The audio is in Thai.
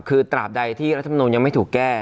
คือศัพท์ใดที่รัฐพณมยังไม่ถูกแก้